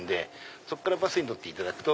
そこからバスに乗っていただく。